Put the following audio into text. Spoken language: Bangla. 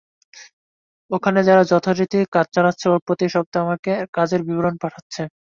ওখানে ওরা যথারীতি কাজ চালাচ্ছে ও প্রতি সপ্তাহে আমাকে কাজের বিবরণ পাঠাচ্ছে।